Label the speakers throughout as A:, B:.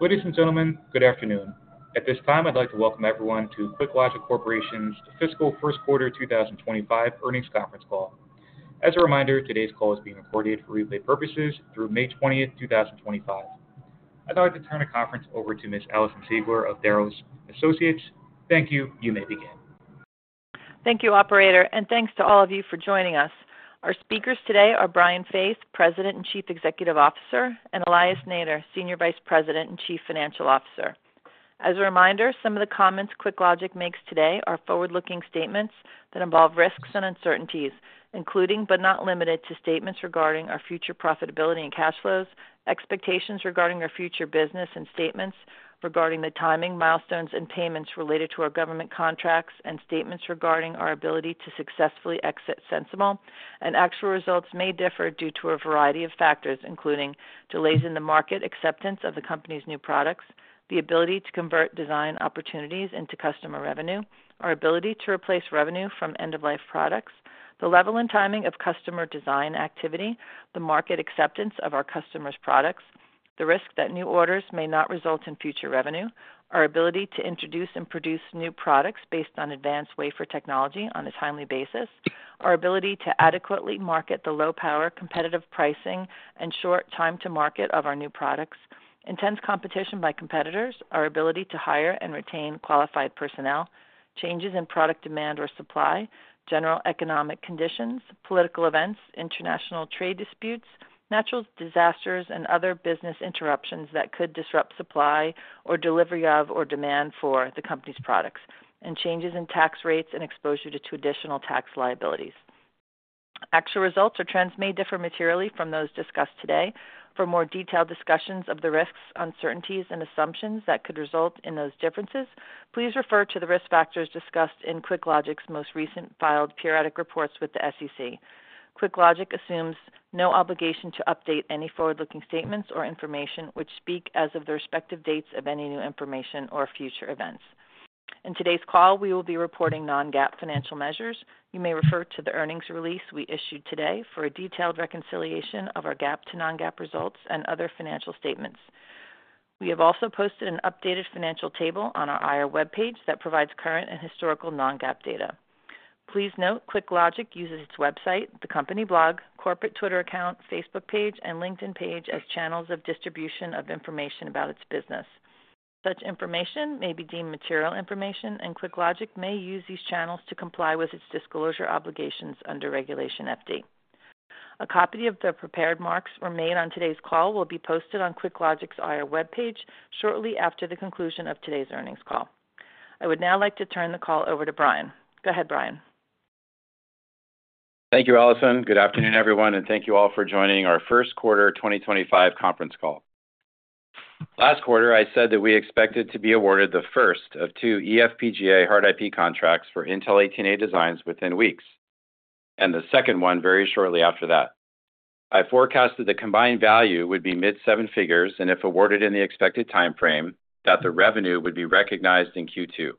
A: Ladies and gentlemen, good afternoon. At this time, I'd like to welcome everyone to QuickLogic Corporation's Fiscal First Quarter 2025 earnings conference call. As a reminder, today's call is being recorded for replay purposes through May 20, 2025. I'd like to turn the conference over to Ms. Alison Ziegler of Darrow Associates. Thank you. You may begin.
B: Thank you, Operator, and thanks to all of you for joining us. Our speakers today are Brian Faith, President and Chief Executive Officer, and Elias Nader, Senior Vice President and Chief Financial Officer. As a reminder, some of the comments QuickLogic makes today are forward-looking statements that involve risks and uncertainties, including but not limited to statements regarding our future profitability and cash flows, expectations regarding our future business, and statements regarding the timing, milestones, and payments related to our government contracts, and statements regarding our ability to successfully exit SensiML. Actual results may differ due to a variety of factors, including delays in the market acceptance of the company's new products, the ability to convert design opportunities into customer revenue, our ability to replace revenue from end-of-life products, the level and timing of customer design activity, the market acceptance of our customers' products, the risk that new orders may not result in future revenue, our ability to introduce and produce new products based on advanced wafer technology on a timely basis, our ability to adequately market the low-power competitive pricing and short time-to-market of our new products, intense competition by competitors, our ability to hire and retain qualified personnel, changes in product demand or supply, general economic conditions, political events, international trade disputes, natural disasters, and other business interruptions that could disrupt supply or delivery of or demand for the company's products, and changes in tax rates and exposure to additional tax liabilities. Actual results or trends may differ materially from those discussed today. For more detailed discussions of the risks, uncertainties, and assumptions that could result in those differences, please refer to the risk factors discussed in QuickLogic's most recent filed periodic reports with the SEC. QuickLogic assumes no obligation to update any forward-looking statements or information which speak as of the respective dates of any new information or future events. In today's call, we will be reporting non-GAAP financial measures. You may refer to the earnings release we issued today for a detailed reconciliation of our GAAP to non-GAAP results and other financial statements. We have also posted an updated financial table on our IRA web page that provides current and historical non-GAAP data. Please note QuickLogic uses its website, the company blog, corporate Twitter account, Facebook page, and LinkedIn page as channels of distribution of information about its business. Such information may be deemed material information, and QuickLogic may use these channels to comply with its disclosure obligations under Regulation FD. A copy of the prepared marks we made on today's call will be posted on QuickLogic's IR web page shortly after the conclusion of today's earnings call. I would now like to turn the call over to Brian. Go ahead, Brian.
C: Thank you, Alison. Good afternoon, everyone, and thank you all for joining our First Quarter 2025 Conference Call. Last quarter, I said that we expected to be awarded the first of two eFPGA hard IP contracts for Intel 18A designs within weeks, and the second one very shortly after that. I forecasted the combined value would be mid-seven figures and, if awarded in the expected timeframe, that the revenue would be recognized in Q2.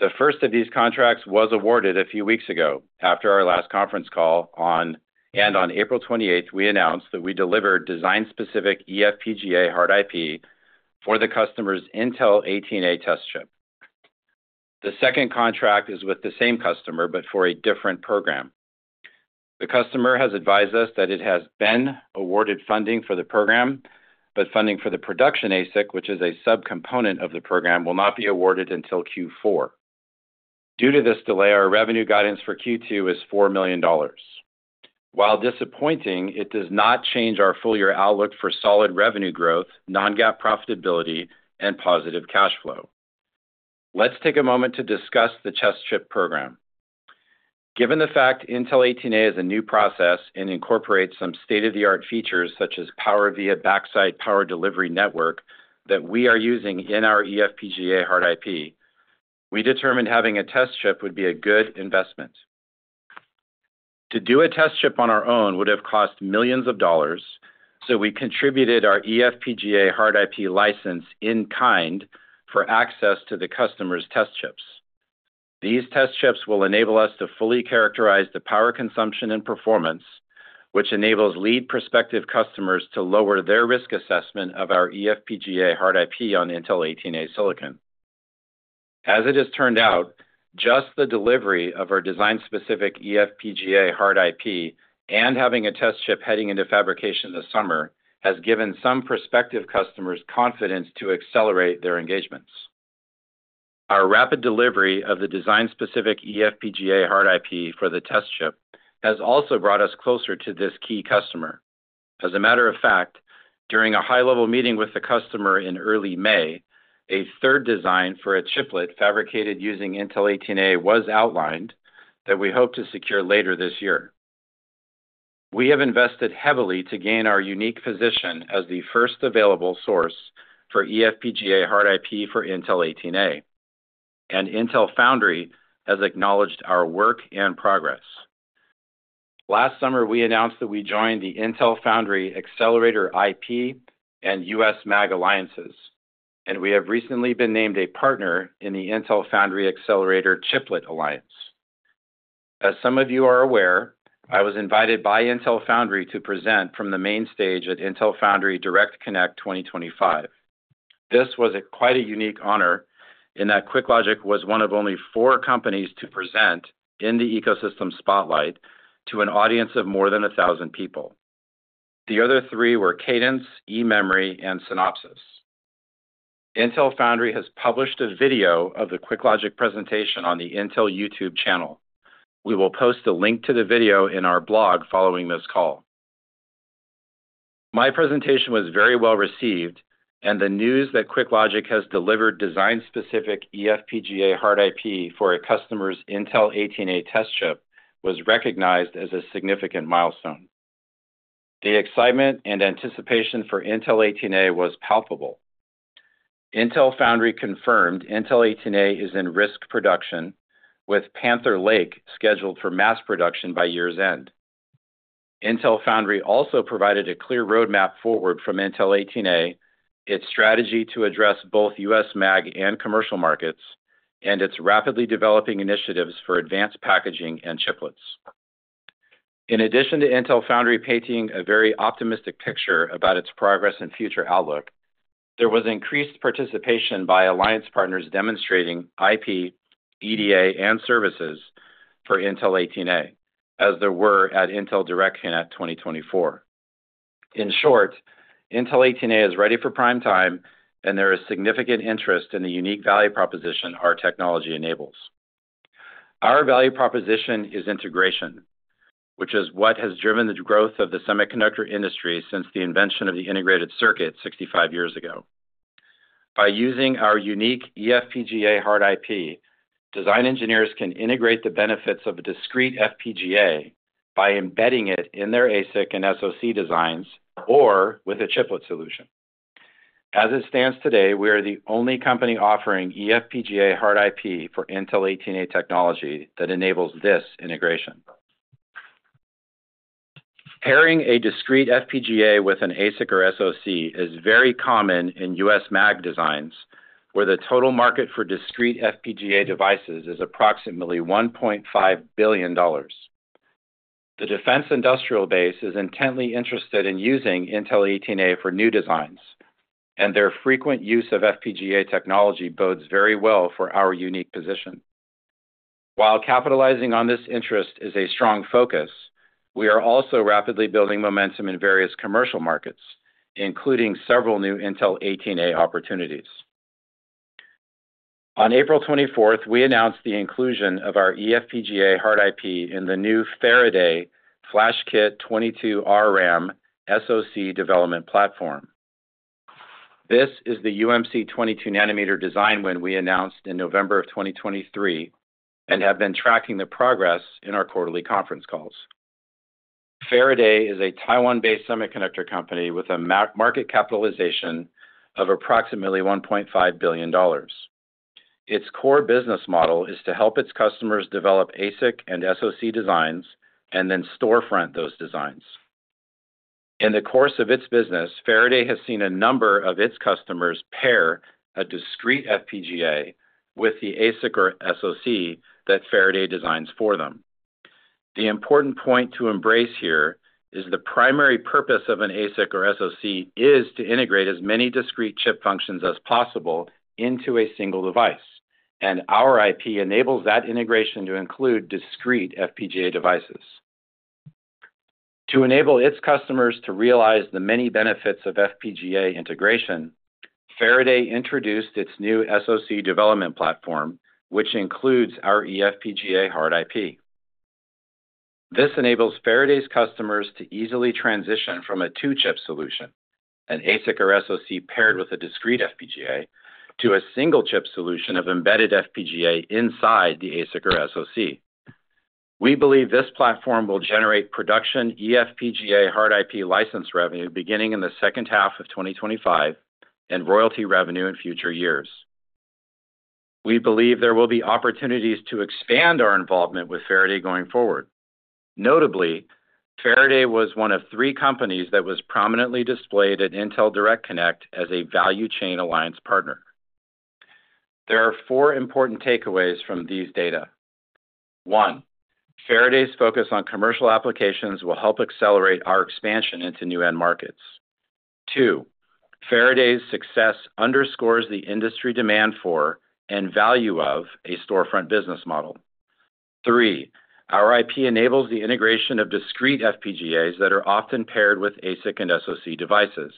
C: The first of these contracts was awarded a few weeks ago after our last conference call, and on April 28, we announced that we delivered design-specific eFPGA hard IP for the customer's Intel 18A test chip. The second contract is with the same customer, but for a different program. The customer has advised us that it has been awarded funding for the program, but funding for the production ASIC, which is a subcomponent of the program, will not be awarded until Q4. Due to this delay, our revenue guidance for Q2 is $4 million. While disappointing, it does not change our full-year outlook for solid revenue growth, non-GAAP profitability, and positive cash flow. Let's take a moment to discuss the test chip program. Given the fact Intel 18A is a new process and incorporates some state-of-the-art features such as PowerVia backside power delivery network that we are using in our eFPGA hard IP, we determined having a test chip would be a good investment. To do a test chip on our own would have cost millions of dollars, so we contributed our eFPGA hard IP license in kind for access to the customer's test chips. These test chips will enable us to fully characterize the power consumption and performance, which enables lead prospective customers to lower their risk assessment of our eFPGA hard IP on Intel 18A silicon. As it has turned out, just the delivery of our design-specific eFPGA hard IP and having a test chip heading into fabrication this summer has given some prospective customers confidence to accelerate their engagements. Our rapid delivery of the design-specific eFPGA hard IP for the test chip has also brought us closer to this key customer. As a matter of fact, during a high-level meeting with the customer in early May, a third design for a chiplet fabricated using Intel 18A was outlined that we hope to secure later this year. We have invested heavily to gain our unique position as the first available source for eFPGA hard IP for Intel 18A, and Intel Foundry has acknowledged our work and progress. Last summer, we announced that we joined the Intel Foundry Accelerator IP and USMAG Alliances, and we have recently been named a partner in the Intel Foundry Accelerator Chiplet Alliance. As some of you are aware, I was invited by Intel Foundry to present from the main stage at Intel Foundry Direct Connect 2025. This was quite a unique honor in that QuickLogic was one of only four companies to present in the ecosystem spotlight to an audience of more than 1,000 people. The other three were Cadence, eMemory, and Synopsys. Intel Foundry has published a video of the QuickLogic presentation on the Intel YouTube channel. We will post a link to the video in our blog following this call. My presentation was very well received, and the news that QuickLogic has delivered design-specific eFPGA hard IP for a customer's Intel 18A test chip was recognized as a significant milestone. The excitement and anticipation for Intel 18A was palpable. Intel Foundry confirmed Intel 18A is in risk production, with Panther Lake scheduled for mass production by year's end. Intel Foundry also provided a clear roadmap forward from Intel 18A, its strategy to address both USMAG and commercial markets, and its rapidly developing initiatives for advanced packaging and chiplets. In addition to Intel Foundry painting a very optimistic picture about its progress and future outlook, there was increased participation by alliance partners demonstrating IP, EDA, and services for Intel 18A, as there were at Intel Direct Connect 2024. In short, Intel 18A is ready for prime time, and there is significant interest in the unique value proposition our technology enables. Our value proposition is integration, which is what has driven the growth of the semiconductor industry since the invention of the integrated circuit 65 years ago. By using our unique EFPGA hard IP, design engineers can integrate the benefits of a discrete FPGA by embedding it in their ASIC and SoC designs or with a chiplet solution. As it stands today, we are the only company offering EFPGA hard IP for Intel 18A technology that enables this integration. Pairing a discrete FPGA with an ASIC or SoC is very common in USMAG designs, where the total market for discrete FPGA devices is approximately $1.5 billion. The defense industrial base is intently interested in using Intel 18A for new designs, and their frequent use of FPGA technology bodes very well for our unique position. While capitalizing on this interest is a strong focus, we are also rapidly building momentum in various commercial markets, including several new Intel 18A opportunities. On April 24, we announced the inclusion of our EFPGA hard IP in the new Faraday FlashKit-22RRAM SoC development platform. This is the UMC 22-nanometer design win we announced in November of 2023 and have been tracking the progress in our quarterly conference calls. Faraday is a Taiwan-based semiconductor company with a market capitalization of approximately $1.5 billion. Its core business model is to help its customers develop ASIC and SoC designs and then storefront those designs. In the course of its business, Faraday has seen a number of its customers pair a discrete FPGA with the ASIC or SoC that Faraday designs for them. The important point to embrace here is the primary purpose of an ASIC or SoC is to integrate as many discrete chip functions as possible into a single device, and our IP enables that integration to include discrete FPGA devices. To enable its customers to realize the many benefits of FPGA integration, Faraday introduced its new SoC development platform, which includes our eFPGA hard IP. This enables Faraday's customers to easily transition from a two-chip solution, an ASIC or SoC paired with a discrete FPGA, to a single-chip solution of embedded FPGA inside the ASIC or SoC. We believe this platform will generate production eFPGA hard IP license revenue beginning in the second half of 2025 and royalty revenue in future years. We believe there will be opportunities to expand our involvement with Faraday going forward. Notably, Faraday was one of three companies that was prominently displayed at Intel Direct Connect as a value chain alliance partner. There are four important takeaways from these data. One, Faraday's focus on commercial applications will help accelerate our expansion into new end markets. Two, Faraday's success underscores the industry demand for and value of a storefront business model. Three, our IP enables the integration of discrete FPGAs that are often paired with ASIC and SoC devices.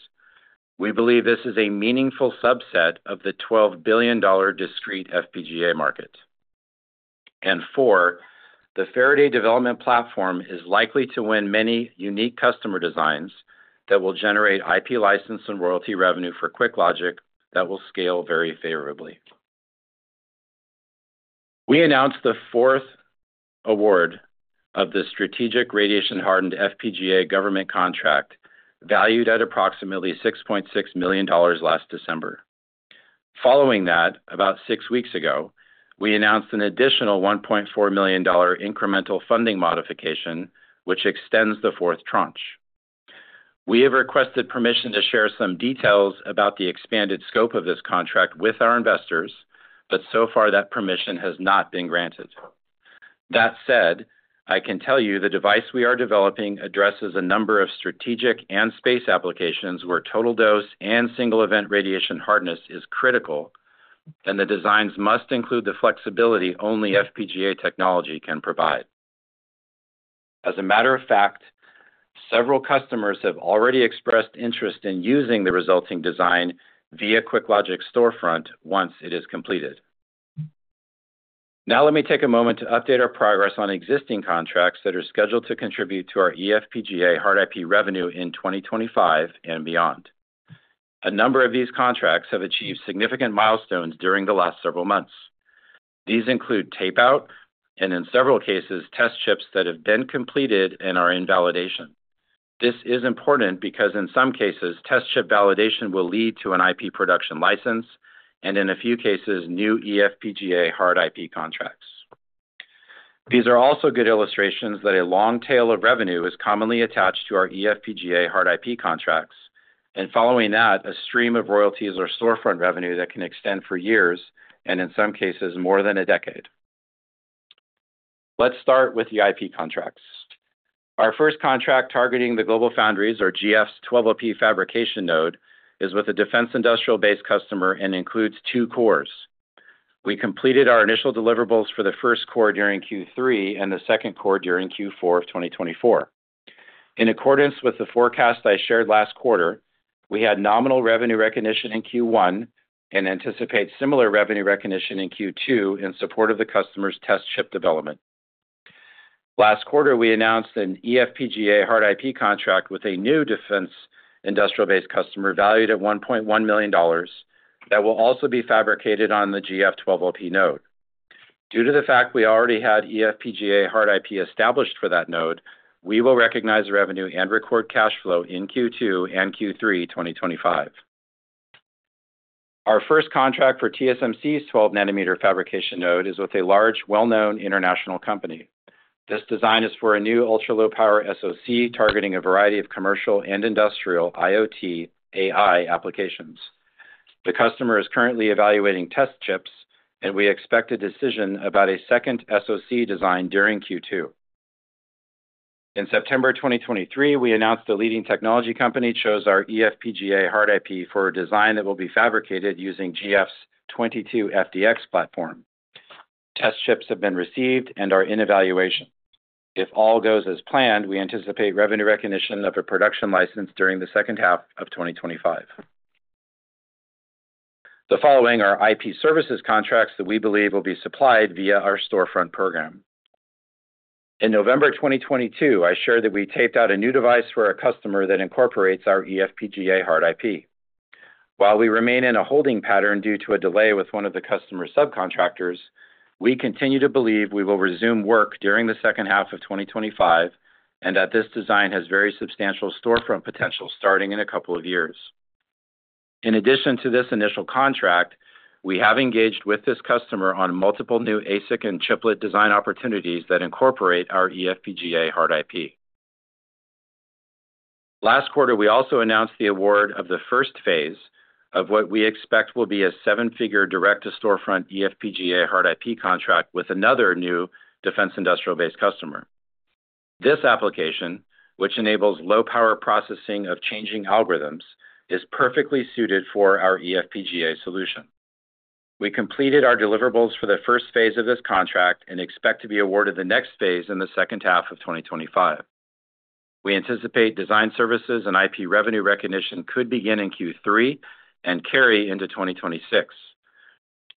C: We believe this is a meaningful subset of the $12 billion discrete FPGA market. Four, the Faraday development platform is likely to win many unique customer designs that will generate IP license and royalty revenue for QuickLogic that will scale very favorably. We announced the fourth award of the Strategic Radiation-Hardened FPGA government contract, valued at approximately $6.6 million last December. Following that, about six weeks ago, we announced an additional $1.4 million incremental funding modification, which extends the fourth tranche. We have requested permission to share some details about the expanded scope of this contract with our investors, but so far that permission has not been granted. That said, I can tell you the device we are developing addresses a number of strategic and space applications where total dose and single-event radiation hardness is critical, and the designs must include the flexibility only FPGA technology can provide. As a matter of fact, several customers have already expressed interest in using the resulting design via QuickLogic storefront once it is completed. Now let me take a moment to update our progress on existing contracts that are scheduled to contribute to our EFPGA hard IP revenue in 2025 and beyond. A number of these contracts have achieved significant milestones during the last several months. These include tape-out and, in several cases, test chips that have been completed and are in validation. This is important because, in some cases, test chip validation will lead to an IP production license and, in a few cases, new EFPGA hard IP contracts. These are also good illustrations that a long tail of revenue is commonly attached to our EFPGA hard IP contracts, and following that, a stream of royalties or storefront revenue that can extend for years and, in some cases, more than a decade. Let's start with the IP contracts. Our first contract targeting the GlobalFoundries, or GF's 12LP fabrication node, is with a defense industrial-based customer and includes two cores. We completed our initial deliverables for the first core during Q3 and the second core during Q4 of 2024. In accordance with the forecast I shared last quarter, we had nominal revenue recognition in Q1 and anticipate similar revenue recognition in Q2 in support of the customer's test chip development. Last quarter, we announced an EFPGA hard IP contract with a new defense industrial-based customer valued at $1.1 million that will also be fabricated on the GF 12LP node. Due to the fact we already had EFPGA hard IP established for that node, we will recognize revenue and record cash flow in Q2 and Q3 2025. Our first contract for TSMC's 12-nanometer fabrication node is with a large, well-known international company. This design is for a new ultra-low-power SoC targeting a variety of commercial and industrial IoT AI applications. The customer is currently evaluating test chips, and we expect a decision about a second SoC design during Q2. In September 2023, we announced a leading technology company chose our eFPGA hard IP for a design that will be fabricated using GF's 22FDX platform. Test chips have been received and are in evaluation. If all goes as planned, we anticipate revenue recognition of a production license during the second half of 2025. The following are IP services contracts that we believe will be supplied via our storefront program. In November 2022, I shared that we taped out a new device for a customer that incorporates our eFPGA hard IP. While we remain in a holding pattern due to a delay with one of the customer subcontractors, we continue to believe we will resume work during the second half of 2025 and that this design has very substantial storefront potential starting in a couple of years. In addition to this initial contract, we have engaged with this customer on multiple new ASIC and chiplet design opportunities that incorporate our eFPGA hard IP. Last quarter, we also announced the award of the first phase of what we expect will be a seven-figure direct-to-storefront eFPGA hard IP contract with another new defense industrial-based customer. This application, which enables low-power processing of changing algorithms, is perfectly suited for our eFPGA solution. We completed our deliverables for the first phase of this contract and expect to be awarded the next phase in the second half of 2025. We anticipate design services and IP revenue recognition could begin in Q3 and carry into 2026.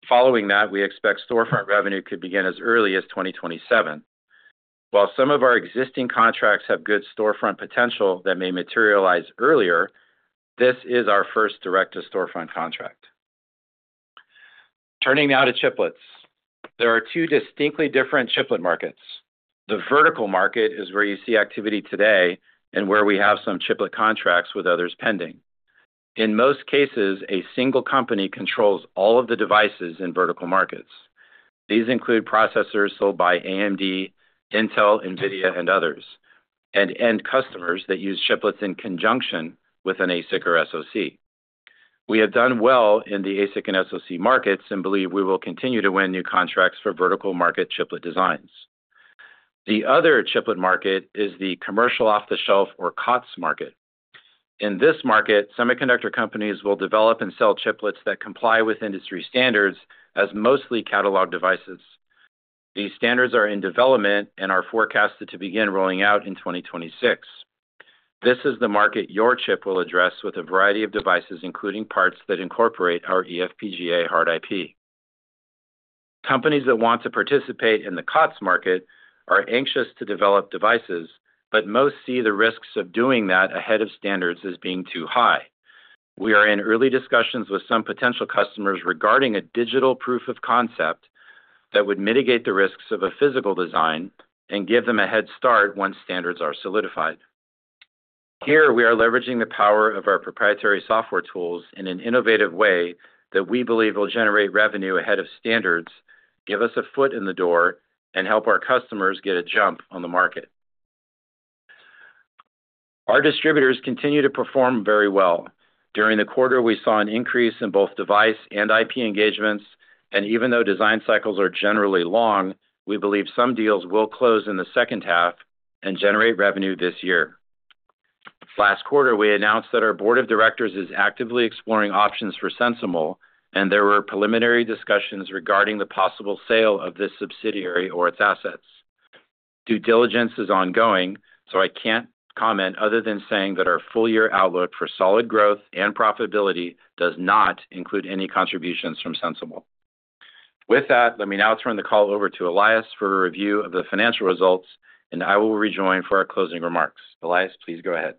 C: Following that, we expect storefront revenue could begin as early as 2027. While some of our existing contracts have good storefront potential that may materialize earlier, this is our first direct-to-storefront contract. Turning now to chiplets. There are two distinctly different chiplet markets. The vertical market is where you see activity today and where we have some chiplet contracts with others pending. In most cases, a single company controls all of the devices in vertical markets. These include processors sold by AMD, Intel, NVIDIA, and others, and end customers that use chiplets in conjunction with an ASIC or SoC. We have done well in the ASIC and SoC markets and believe we will continue to win new contracts for vertical market chiplet designs. The other chiplet market is the commercial off-the-shelf or COTS market. In this market, semiconductor companies will develop and sell chiplets that comply with industry standards as mostly catalog devices. These standards are in development and are forecasted to begin rolling out in 2026. This is the market your chip will address with a variety of devices, including parts that incorporate our eFPGA hard IP. Companies that want to participate in the COTS market are anxious to develop devices, but most see the risks of doing that ahead of standards as being too high. We are in early discussions with some potential customers regarding a digital proof of concept that would mitigate the risks of a physical design and give them a head start once standards are solidified. Here, we are leveraging the power of our proprietary software tools in an innovative way that we believe will generate revenue ahead of standards, give us a foot in the door, and help our customers get a jump on the market. Our distributors continue to perform very well. During the quarter, we saw an increase in both device and IP engagements, and even though design cycles are generally long, we believe some deals will close in the second half and generate revenue this year. Last quarter, we announced that our board of directors is actively exploring options for SensiML, and there were preliminary discussions regarding the possible sale of this subsidiary or its assets. Due diligence is ongoing, so I can't comment other than saying that our full-year outlook for solid growth and profitability does not include any contributions from SensiML. With that, let me now turn the call over to Elias for a review of the financial results, and I will rejoin for our closing remarks. Elias, please go ahead.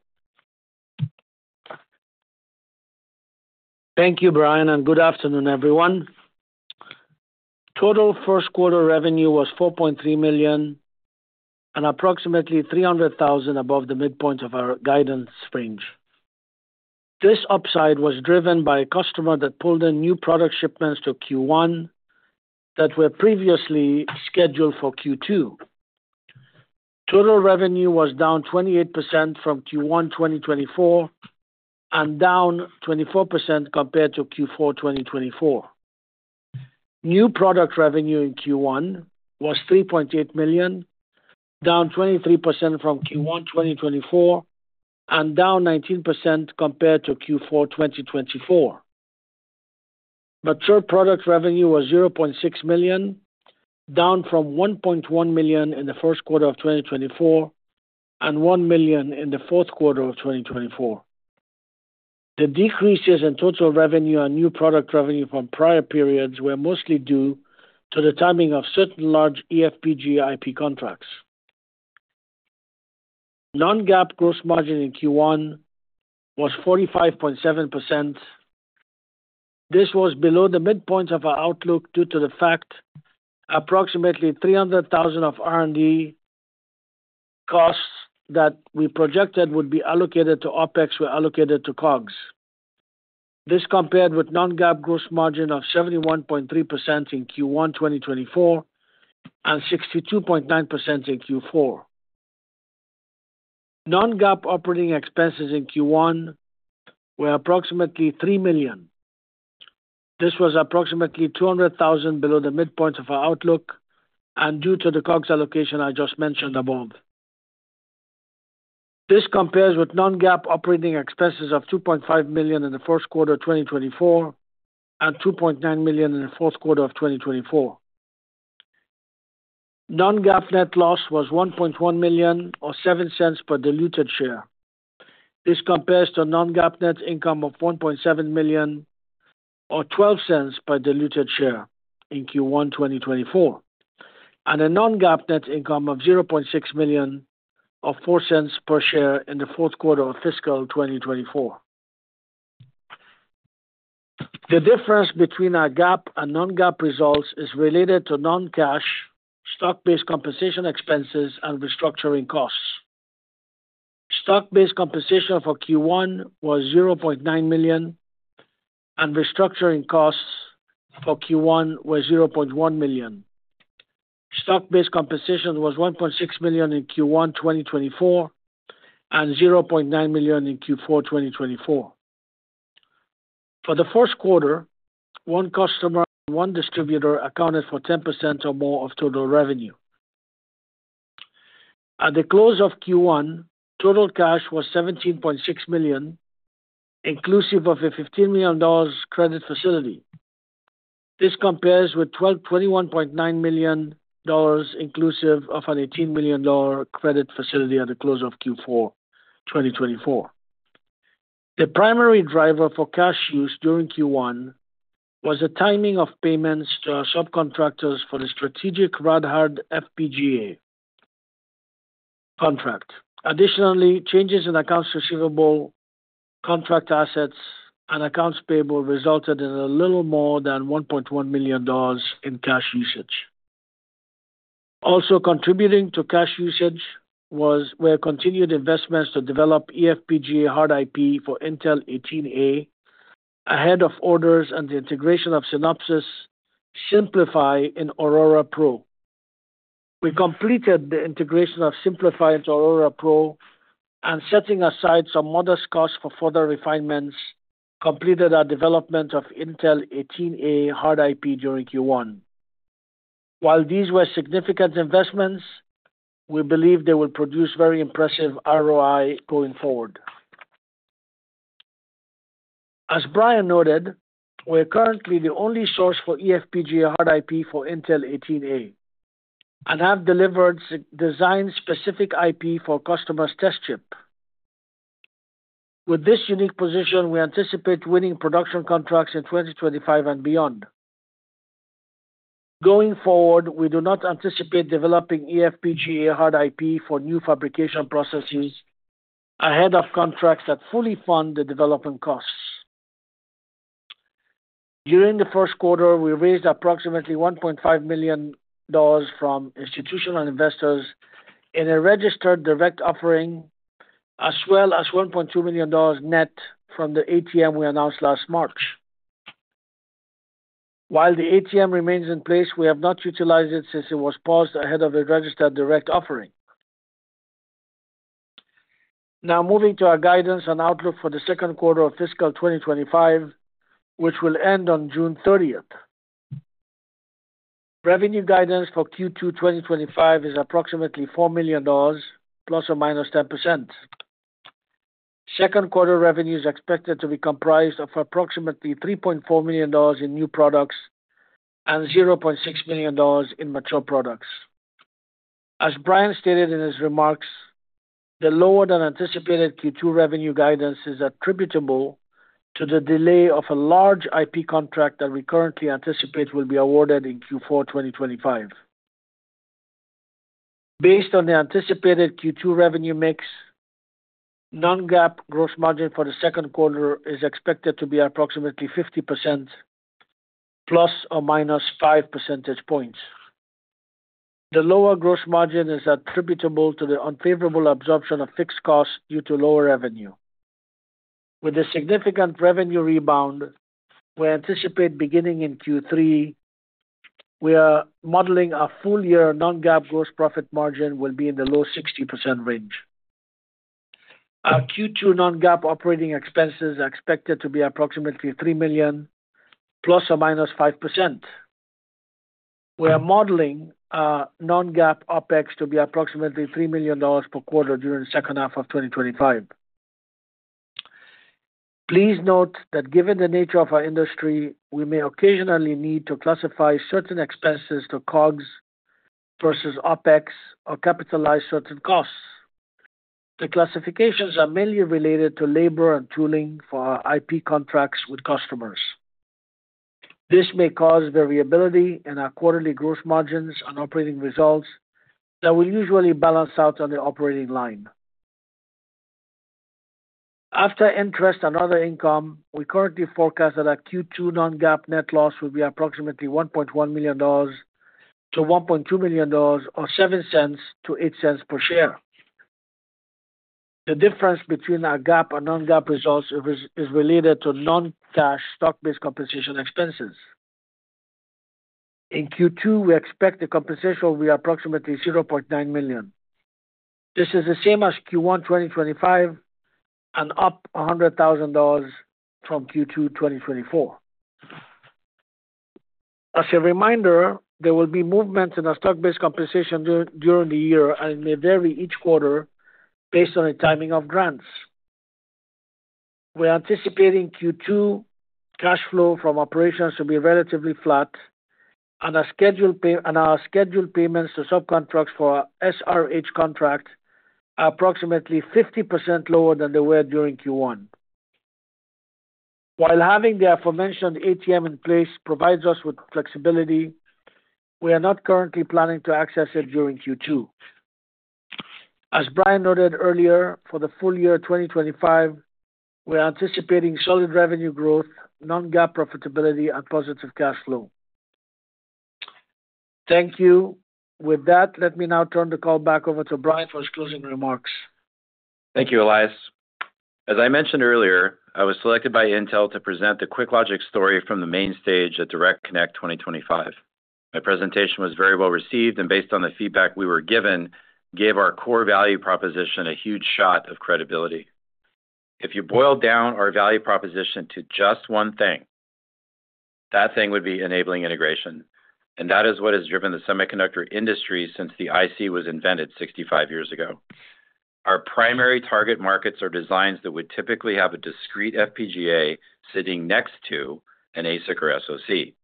D: Thank you, Brian, and good afternoon, everyone. Total first-quarter revenue was $4.3 million, an approximately $300,000 above the midpoint of our guidance range. This upside was driven by a customer that pulled in new product shipments to Q1 that were previously scheduled for Q2. Total revenue was down 28% from Q1 2024 and down 24% compared to Q4 2024. New product revenue in Q1 was $3.8 million, down 23% from Q1 2024 and down 19% compared to Q4 2024. Mature product revenue was $0.6 million, down from $1.1 million in the first quarter of 2024 and $1 million in the fourth quarter of 2024. The decreases in total revenue and new product revenue from prior periods were mostly due to the timing of certain large eFPGA IP contracts. Non-GAAP gross margin in Q1 was 45.7%. This was below the midpoint of our outlook due to the fact approximately $300,000 of R&D costs that we projected would be allocated to OpEx were allocated to COGS. This compared with Non-GAAP gross margin of 71.3% in Q1 2024 and 62.9% in Q4. Non-GAAP operating expenses in Q1 were approximately $3 million. This was approximately $200,000 below the midpoint of our outlook and due to the COGS allocation I just mentioned above. This compares with Non-GAAP operating expenses of $2.5 million in the first quarter of 2024 and $2.9 million in the fourth quarter of 2024. Non-GAAP net loss was $1.1 million or $0.07 per diluted share. This compares to Non-GAAP net income of $1.7 million or $0.12 per diluted share in Q1 2024 and a Non-GAAP net income of $0.6 million or $0.04 per share in the fourth quarter of fiscal 2024. The difference between our GAAP and Non-GAAP results is related to non-cash stock-based compensation expenses and restructuring costs. Stock-based compensation for Q1 was $0.9 million and restructuring costs for Q1 were $0.1 million. Stock-based compensation was $1.6 million in Q1 2024 and $0.9 million in Q4 2024. For the first quarter, one customer and one distributor accounted for 10% or more of total revenue. At the close of Q1, total cash was $17.6 million, inclusive of a $15 million credit facility. This compares with $21.9 million inclusive of an $18 million credit facility at the close of Q4 2024. The primary driver for cash use during Q1 was the timing of payments to our subcontractors for the strategic Rad-Hard FPGA contract. Additionally, changes in accounts receivable, contract assets, and accounts payable resulted in a little more than $1.1 million in cash usage. Also contributing to cash usage were continued investments to develop eFPGA hard IP for Intel 18A ahead of orders and the integration of Synopsys Synplify in Aurora PRO. We completed the integration of Synplify into Aurora Pro and, setting aside some modest costs for further refinements, completed our development of Intel 18A hard IP during Q1. While these were significant investments, we believe they will produce very impressive ROI going forward. As Brian noted, we are currently the only source for eFPGA hard IP for Intel 18A and have delivered design-specific IP for customers' test chip. With this unique position, we anticipate winning production contracts in 2025 and beyond. Going forward, we do not anticipate developing eFPGA hard IP for new fabrication processes ahead of contracts that fully fund the development costs. During the first quarter, we raised approximately $1.5 million from institutional investors in a registered direct offering, as well as $1.2 million net from the ATM we announced last March. While the ATM remains in place, we have not utilized it since it was paused ahead of a registered direct offering. Now moving to our guidance and outlook for the second quarter of fiscal 2025, which will end on June 30th. Revenue guidance for Q2 2025 is approximately $4 million, plus or minus 10%. Second quarter revenues are expected to be comprised of approximately $3.4 million in new products and $0.6 million in mature products. As Brian stated in his remarks, the lower-than-anticipated Q2 revenue guidance is attributable to the delay of a large IP contract that we currently anticipate will be awarded in Q4 2025. Based on the anticipated Q2 revenue mix, Non-GAAP gross margin for the second quarter is expected to be approximately 50%, plus or minus 5 percentage points. The lower gross margin is attributable to the unfavorable absorption of fixed costs due to lower revenue. With the significant revenue rebound we anticipate beginning in Q3, we are modeling a full-year Non-GAAP gross profit margin will be in the low 60% range. Our Q2 Non-GAAP operating expenses are expected to be approximately $3 million, plus or minus 5%. We are modeling Non-GAAP OPEX to be approximately $3 million per quarter during the second half of 2025. Please note that given the nature of our industry, we may occasionally need to classify certain expenses to COGS versus OpEx or capitalize certain costs. The classifications are mainly related to labor and tooling for our IP contracts with customers. This may cause variability in our quarterly gross margins and operating results that will usually balance out on the operating line. After interest and other income, we currently forecast that our Q2 Non-GAAP net loss will be approximately $1.1 million-$1.2 million or $0.07-$0.08 per share. The difference between our GAAP and Non-GAAP results is related to non-cash stock-based compensation expenses. In Q2, we expect the compensation will be approximately $0.9 million. This is the same as Q1 2025 and up $100,000 from Q2 2024. As a reminder, there will be movements in our stock-based compensation during the year and it may vary each quarter based on the timing of grants. We are anticipating Q2 cash flow from operations to be relatively flat and our scheduled payments to subcontracts for SRH contract are approximately 50% lower than they were during Q1. While having the aforementioned ATM in place provides us with flexibility, we are not currently planning to access it during Q2. As Brian noted earlier, for the full year 2025, we are anticipating solid revenue growth, Non-GAAP profitability, and positive cash flow. Thank you. With that, let me now turn the call back over to Brian for his closing remarks.
C: Thank you, Elias. As I mentioned earlier, I was selected by Intel to present the QuickLogic story from the main stage at Direct Connect 2025. My presentation was very well received, and based on the feedback we were given, gave our core value proposition a huge shot of credibility. If you boil down our value proposition to just one thing, that thing would be enabling integration. That is what has driven the semiconductor industry since the IC was invented 65 years ago. Our primary target markets are designs that would typically have a discrete FPGA sitting next to an ASIC or SoC.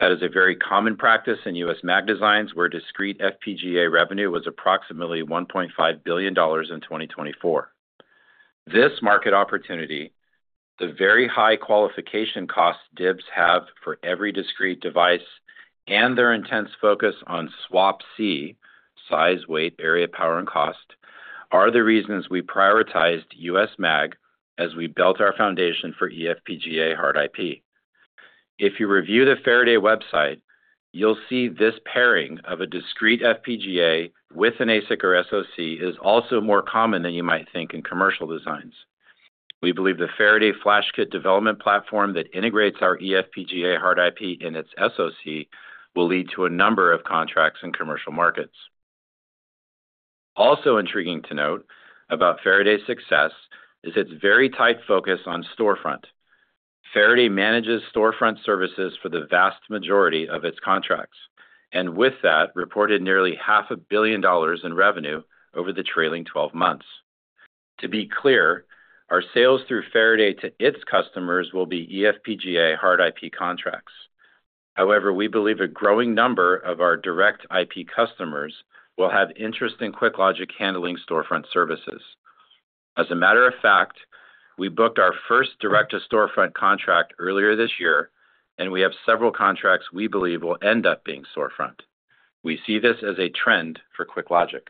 C: That is a very common practice in USMAG designs where discrete FPGA revenue was approximately $1.5 billion in 2024. This market opportunity, the very high qualification costs DIBs have for every discrete device and their intense focus on SWaP-C, size, weight, area, power, and cost, are the reasons we prioritized USMAG as we built our foundation for eFPGA hard IP. If you review the Faraday website, you'll see this pairing of a discrete FPGA with an ASIC or SoC is also more common than you might think in commercial designs. We believe the Faraday FlashKit development platform that integrates our eFPGA hard IP in its SoC will lead to a number of contracts in commercial markets. Also intriguing to note about Faraday's success is its very tight focus on storefront. Faraday manages storefront services for the vast majority of its contracts and with that reported nearly $500 million in revenue over the trailing 12 months. To be clear, our sales through Faraday to its customers will be eFPGA hard IP contracts. However, we believe a growing number of our direct IP customers will have interest in QuickLogic handling storefront services. As a matter of fact, we booked our first direct-to-storefront contract earlier this year, and we have several contracts we believe will end up being storefront. We see this as a trend for QuickLogic.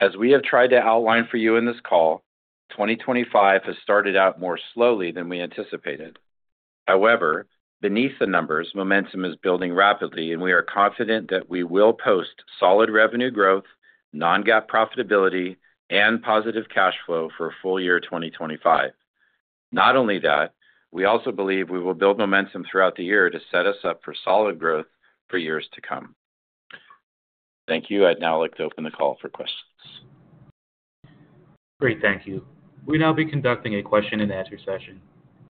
C: As we have tried to outline for you in this call, 2025 has started out more slowly than we anticipated. However, beneath the numbers, momentum is building rapidly, and we are confident that we will post solid revenue growth, Non-GAAP profitability, and positive cash flow for full year 2025. Not only that, we also believe we will build momentum throughout the year to set us up for solid growth for years to come. Thank you. I'd now like to open the call for questions. Great.
A: Thank you. We'll now be conducting a question-and-answer session.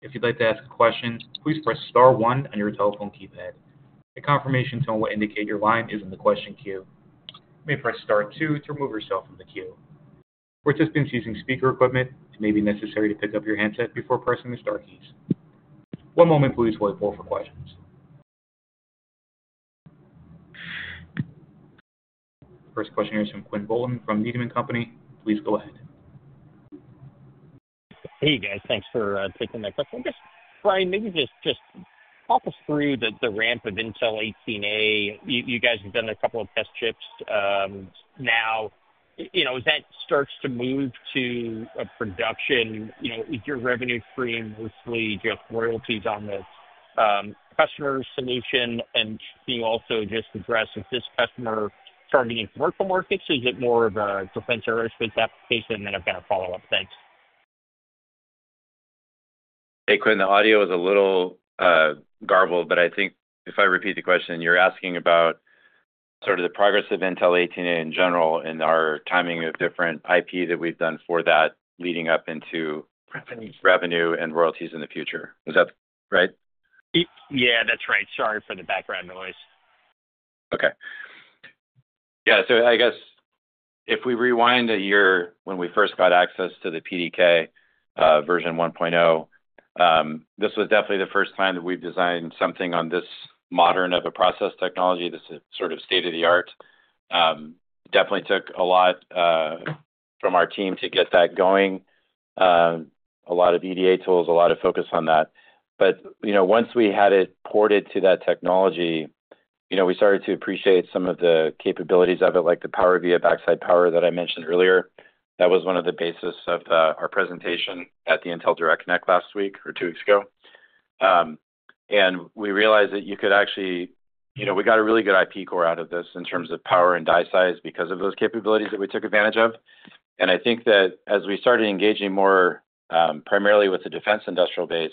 A: If you'd like to ask a question, please press *1 on your telephone keypad. A confirmation tone will indicate your line is in the question queue. You may press *2 to remove yourself from the queue. For participants using speaker equipment, it may be necessary to pick up your handset before pressing the *keys. One moment, please, while we pull up for questions. First question here is from Quinn Bolton from Needham & Company. Please go ahead.
E: Hey, guys. Thanks for taking my question. Just Brian, maybe just walk us through the ramp of Intel 18A. You guys have done a couple of test chips now. As that starts to move to a production, is your revenue stream mostly just royalties on the customer solution? Can you also just address, is this customer starting in commercial markets? Is it more of a defense aerospace application? I have a follow-up. Thanks.
C: Hey, Quinn. The audio is a little garbled, but I think if I repeat the question, you're asking about sort of the progress of Intel 18A in general and our timing of different IP that we've done for that leading up into revenue and royalties in the future. Is that right?
E: Yeah, that's right. Sorry for the background noise.
C: Okay. Yeah. I guess if we rewind a year when we first got access to the PDK version 1.0, this was definitely the first time that we've designed something on this modern of a process technology. This is sort of state-of-the-art. Definitely took a lot from our team to get that going. A lot of EDA tools, a lot of focus on that. Once we had it ported to that technology, we started to appreciate some of the capabilities of it, like the PowerVia backside power that I mentioned earlier. That was one of the bases of our presentation at the Intel Direct Connect last week or two weeks ago. We realized that you could actually, we got a really good IP core out of this in terms of power and die size because of those capabilities that we took advantage of. I think that as we started engaging more primarily with the defense industrial base,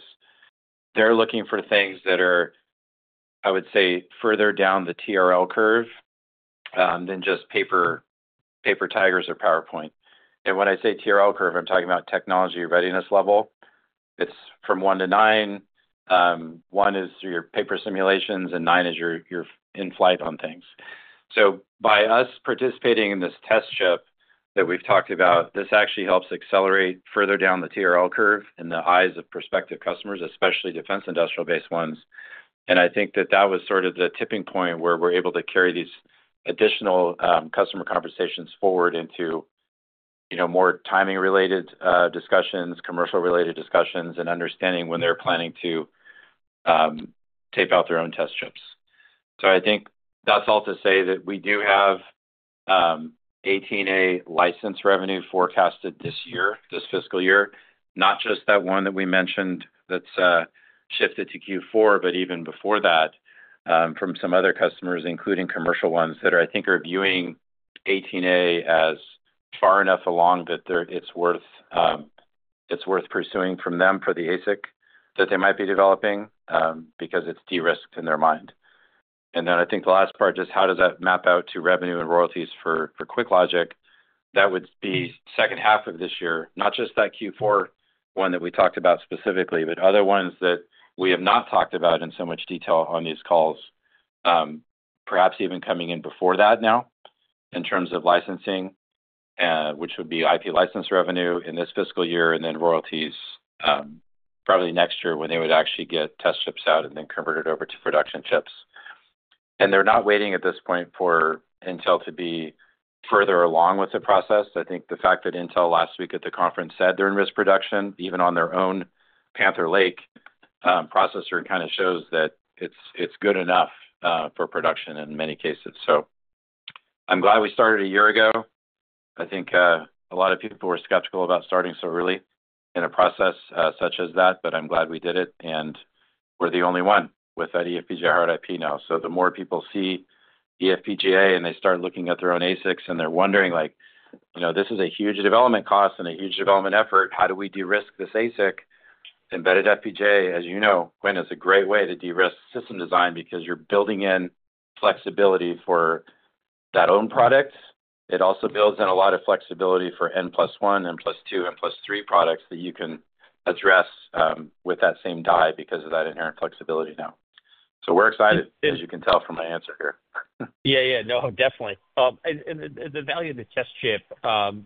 C: they're looking for things that are, I would say, further down the TRL curve than just paper tigers or PowerPoint. When I say TRL curve, I'm talking about technology readiness level. It's from 1 to 9. One is your paper simulations and nine is your in-flight on things. By us participating in this test chip that we've talked about, this actually helps accelerate further down the TRL curve in the eyes of prospective customers, especially defense industrial-based ones. I think that that was sort of the tipping point where we're able to carry these additional customer conversations forward into more timing-related discussions, commercial-related discussions, and understanding when they're planning to tape out their own test chips. I think that's all to say that we do have 18A license revenue forecasted this year, this fiscal year. Not just that one that we mentioned that's shifted to Q4, but even before that from some other customers, including commercial ones that are, I think, reviewing 18A as far enough along that it's worth pursuing from them for the ASIC that they might be developing because it's de-risked in their mind. I think the last part is just how does that map out to revenue and royalties for QuickLogic? That would be second half of this year, not just that Q4 one that we talked about specifically, but other ones that we have not talked about in so much detail on these calls, perhaps even coming in before that now in terms of licensing, which would be IP license revenue in this fiscal year and then royalties probably next year when they would actually get test chips out and then convert it over to production chips. They're not waiting at this point for Intel to be further along with the process. I think the fact that Intel last week at the conference said they're in risk production, even on their own Panther Lake processor, kind of shows that it's good enough for production in many cases. I'm glad we started a year ago. I think a lot of people were skeptical about starting so early in a process such as that, but I'm glad we did it. We're the only one with that EFPGA hard IP now. The more people see EFPGA and they start looking at their own ASICs and they're wondering, "This is a huge development cost and a huge development effort. How do we de-risk this ASIC?" Embedded FPGA, as you know, Quinn, is a great way to de-risk system design because you're building in flexibility for that own product. It also builds in a lot of flexibility for N+1, N+2, N+3 products that you can address with that same die because of that inherent flexibility now. We're excited, as you can tell from my answer here.
E: Yeah, yeah. No, definitely. The value of the test chip,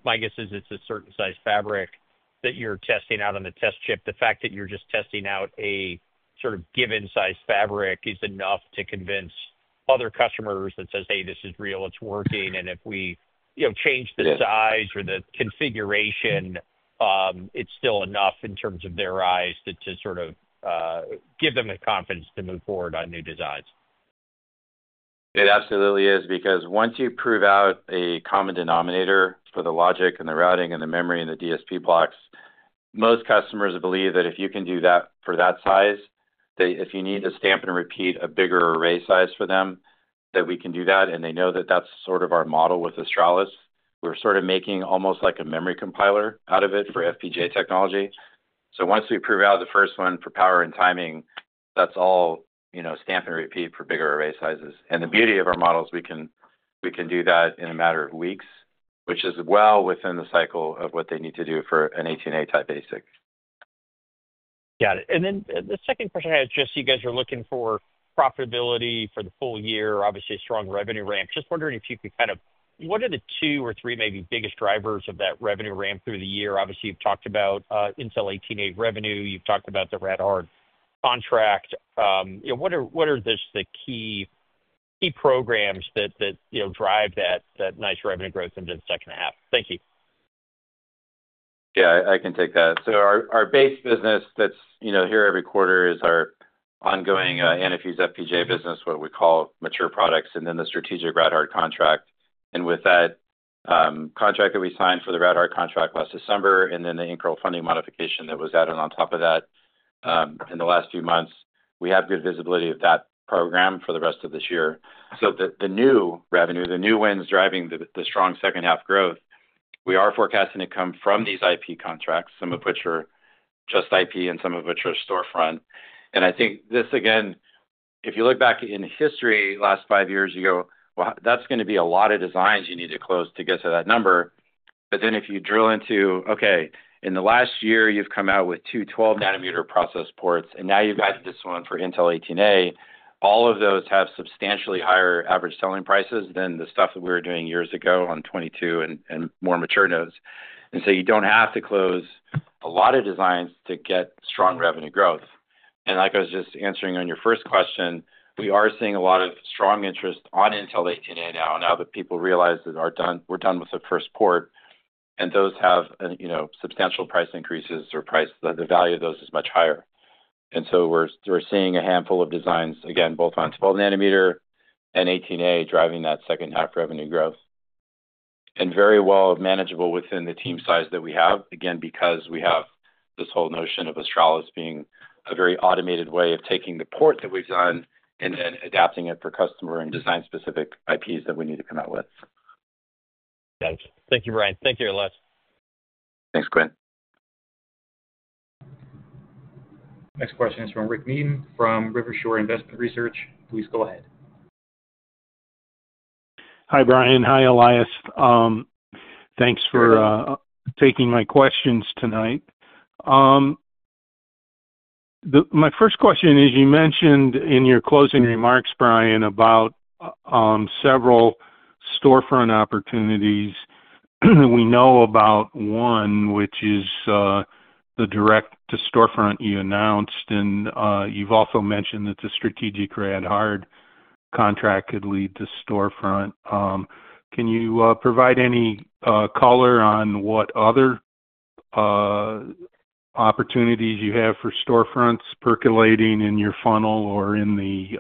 E: my guess is it's a certain size fabric that you're testing out on the test chip. The fact that you're just testing out a sort of given size fabric is enough to convince other customers that says, "Hey, this is real. It's working." If we change the size or the configuration, it's still enough in terms of their eyes to sort of give them the confidence to move forward on new designs.
C: It absolutely is because once you prove out a common denominator for the logic and the routing and the memory and the DSP blocks, most customers believe that if you can do that for that size, that if you need to stamp and repeat a bigger array size for them, that we can do that. They know that that's sort of our model with Astrolis. We're sort of making almost like a memory compiler out of it for FPGA technology. Once we prove out the first one for power and timing, that's all stamp and repeat for bigger array sizes. The beauty of our model is we can do that in a matter of weeks, which is well within the cycle of what they need to do for an 18A type ASIC.
E: Got it. The second question I had is just you guys are looking for profitability for the full year, obviously a strong revenue ramp. Just wondering if you could kind of what are the two or three maybe biggest drivers of that revenue ramp through the year? Obviously, you've talked about Intel 18A revenue. You've talked about the RadArm contract. What are just the key programs that drive that nice revenue growth into the second half? Thank you.
C: Yeah, I can take that. Our base business that's here every quarter is our ongoing anti-fuse FPGA business, what we call mature products, and then the strategic RadArm contract. With that contract that we signed for the RadArm contract last December and then the incorrect funding modification that was added on top of that in the last few months, we have good visibility of that program for the rest of this year. The new revenue, the new wins driving the strong second half growth, we are forecasting to come from these IP contracts, some of which are just IP and some of which are storefront. I think this, again, if you look back in history the last five years, you go, "That's going to be a lot of designs you need to close to get to that number." If you drill into, "Okay, in the last year, you've come out with two 12-nanometer process ports, and now you've got this one for Intel 18A." All of those have substantially higher average selling prices than the stuff that we were doing years ago on 22 and more mature nodes. You do not have to close a lot of designs to get strong revenue growth. Like I was just answering on your first question, we are seeing a lot of strong interest on Intel 18A now, now that people realize that we're done with the first port. Those have substantial price increases or price that the value of those is much higher. We are seeing a handful of designs, again, both on 12-nanometer and 18A driving that second half revenue growth. Very well manageable within the team size that we have, again, because we have this whole notion of Astrolis being a very automated way of taking the port that we have done and then adapting it for customer and design-specific IPs that we need to come out with.
E: Thanks. Thank you, Brian. Thank you a lot.
C: Thanks, Quinn.
A: Next question is from Rick Neaton from Rivershore Investment Research. Please go ahead.
F: Hi, Brian. Hi, Elias. Thanks for taking my questions tonight. My first question is, you mentioned in your closing remarks, Brian, about several storefront opportunities. We know about one, which is the direct-to-storefront you announced. You've also mentioned that the strategic RadArm contract could lead to storefront. Can you provide any color on what other opportunities you have for storefronts percolating in your funnel or in the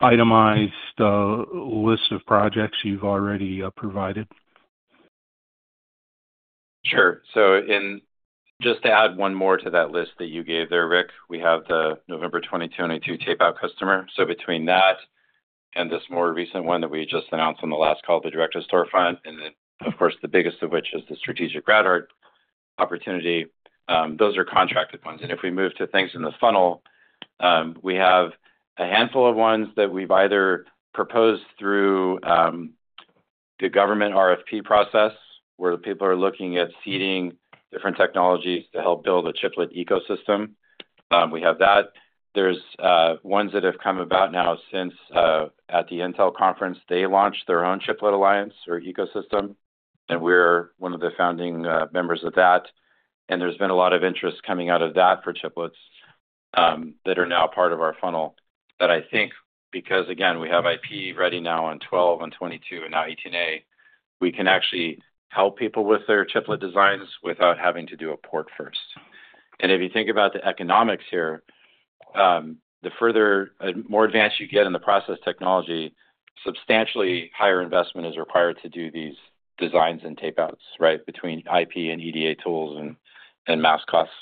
F: itemized list of projects you've already provided?
C: Sure. Just to add one more to that list that you gave there, Rick, we have the November 2022 tape-out customer. Between that and this more recent one that we just announced on the last call, the direct-to-storefront, and then, of course, the biggest of which is the strategic RadArm opportunity, those are contracted ones. If we move to things in the funnel, we have a handful of ones that we've either proposed through the government RFP process where people are looking at seeding different technologies to help build a chiplet ecosystem. We have that. Are ones that have come about now since at the Intel conference, they launched their own chiplet alliance or ecosystem. We are one of the founding members of that. There has been a lot of interest coming out of that for chiplets that are now part of our funnel. I think because, again, we have IP ready now on 12 and 22 and now 18A, we can actually help people with their chiplet designs without having to do a port first. If you think about the economics here, the further and more advanced you get in the process technology, substantially higher investment is required to do these designs and tape-outs, right, between IP and EDA tools and mass costs.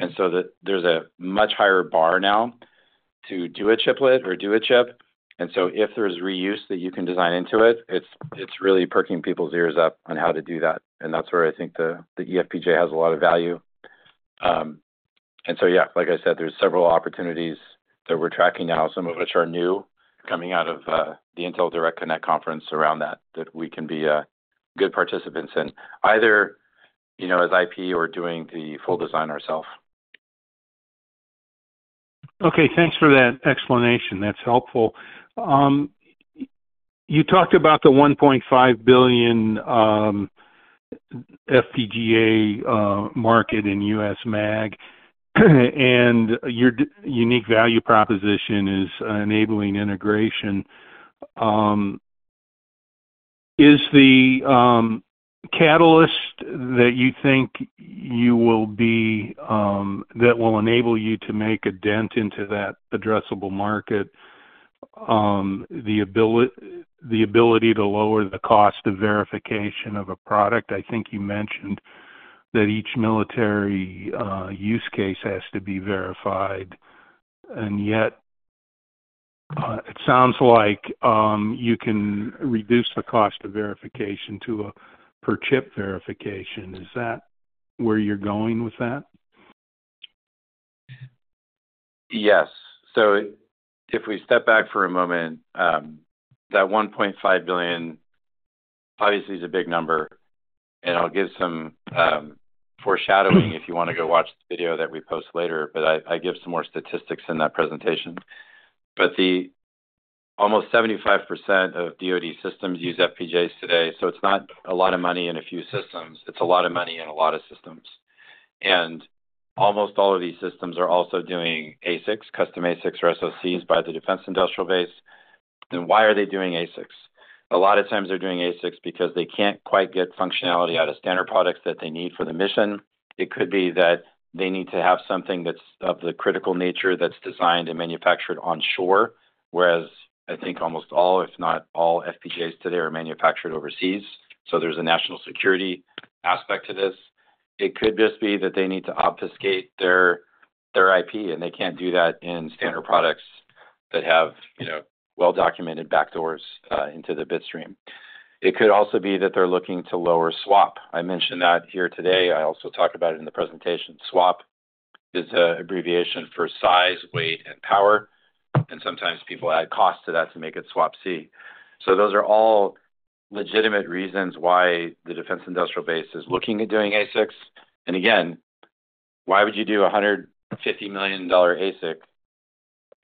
C: There is a much higher bar now to do a chiplet or do a chip. If there is reuse that you can design into it, it is really perking people's ears up on how to do that. That is where I think the EFPGA has a lot of value. Like I said, there are several opportunities that we are tracking now, some of which are new coming out of the Intel Direct Connect conference around that, that we can be good participants in either as IP or doing the full design ourself.
F: Okay. Thanks for that explanation. That is helpful. You talked about the $1.5 billion FPGA market in USMAG, and your unique value proposition is enabling integration. Is the catalyst that you think you will be that will enable you to make a dent into that addressable market the ability to lower the cost of verification of a product? I think you mentioned that each military use case has to be verified. Yet it sounds like you can reduce the cost of verification to a per-chip verification. Is that where you're going with that?
C: Yes. If we step back for a moment, that $1.5 billion, obviously, is a big number. I'll give some foreshadowing if you want to go watch the video that we post later, but I give some more statistics in that presentation. Almost 75% of DOD systems use FPGAs today. It's not a lot of money in a few systems. It's a lot of money in a lot of systems. Almost all of these systems are also doing ASICs, custom ASICs or SoCs by the defense industrial base. Why are they doing ASICs? A lot of times they're doing ASICs because they can't quite get functionality out of standard products that they need for the mission. It could be that they need to have something that's of the critical nature that's designed and manufactured onshore, whereas I think almost all, if not all, FPGAs today are manufactured overseas. There is a national security aspect to this. It could just be that they need to obfuscate their IP, and they can't do that in standard products that have well-documented backdoors into the bitstream. It could also be that they're looking to lower SWaP. I mentioned that here today. I also talked about it in the presentation. SWaP is an abbreviation for size, weight, and power. Sometimes people add cost to that to make it SWaP-C. Those are all legitimate reasons why the defense industrial base is looking at doing ASICs. Again, why would you do a $150 million ASIC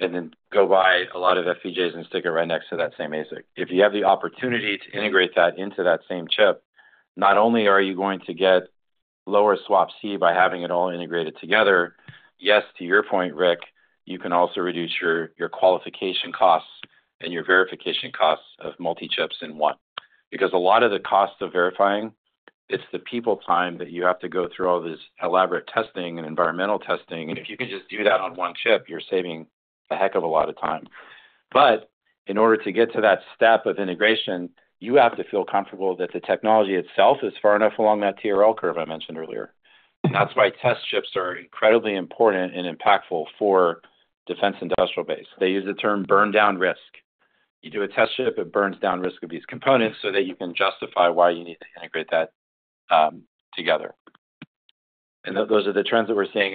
C: and then go buy a lot of FPGAs and stick it right next to that same ASIC? If you have the opportunity to integrate that into that same chip, not only are you going to get lower SWaP-C by having it all integrated together, yes, to your point, Rick, you can also reduce your qualification costs and your verification costs of multi-chips in one. Because a lot of the cost of verifying, it's the people time that you have to go through all this elaborate testing and environmental testing. If you can just do that on one chip, you're saving a heck of a lot of time. In order to get to that step of integration, you have to feel comfortable that the technology itself is far enough along that TRL curve I mentioned earlier. That's why test chips are incredibly important and impactful for the defense industrial base. They use the term burn-down risk. You do a test chip, it burns down risk of these components so that you can justify why you need to integrate that together. Those are the trends that we're seeing.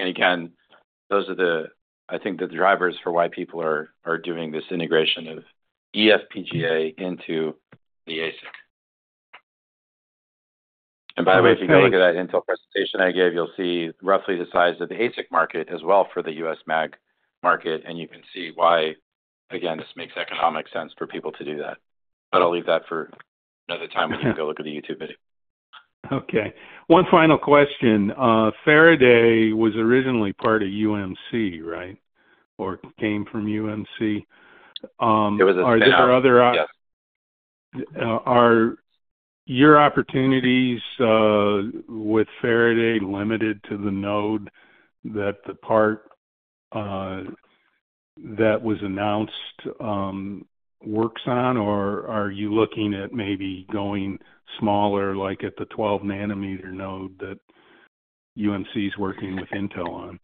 C: Those are, I think, the drivers for why people are doing this integration of EFPGA into the ASIC. By the way, if you go look at that Intel presentation I gave, you'll see roughly the size of the ASIC market as well for the USMAG market. You can see why this makes economic sense for people to do that. I'll leave that for another time when you can go look at the YouTube video.
F: Okay. One final question. Faraday was originally part of UMC, right? Or came from UMC? It was at Faraday. Are your other opportunities with Faraday limited to the node that the part that was announced works on? Or are you looking at maybe going smaller, like at the 12-nanometer node that UMC is working with Intel on?